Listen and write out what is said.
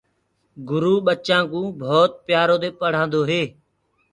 گُرو ٻچآنٚ ڪوُ ڀوت پيآرو دي پڙهآندو هي۔